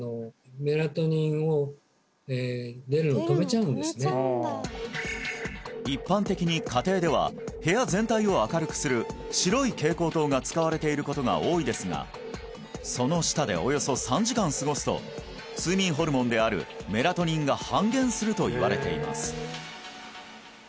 蛍光灯一般的に家庭では部屋全体を明るくする白い蛍光灯が使われていることが多いですがその下でおよそ３時間過ごすと睡眠ホルモンであるメラトニンが半減するといわれています